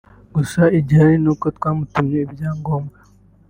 gusa igihari ni uko twamutumye ibyangombwa